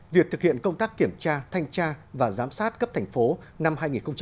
việc thực hiện công tác kiểm tra thanh tra và giám sát cấp thành phố năm hai nghìn hai mươi